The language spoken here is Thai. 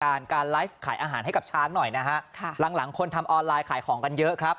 การการไลฟ์ขายอาหารให้กับช้างหน่อยนะฮะค่ะหลังหลังคนทำออนไลน์ขายของกันเยอะครับ